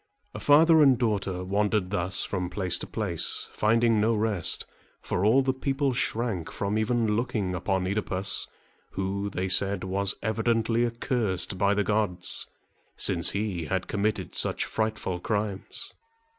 Father and daughter wandered thus from place to place, finding no rest; for all the people shrank from even looking upon OEdipus, who, they said, was evidently accursed by the gods, since he had committed such frightful crimes.